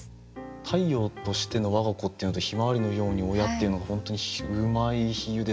「太陽としての我が子」っていうのと「向日葵のように親」っていうのが本当にうまい比喩ですよね。